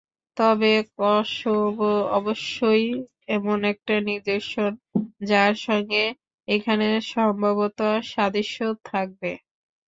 তবে কসোভো অবশ্যই এমন একটা নিদর্শন, যার সঙ্গে এখানে সম্ভবত সাদৃশ্য থাকবে।